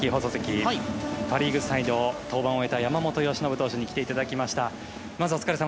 放送席、パ・リーグサイド登板を終えた山本由伸選手にお越しいただきました。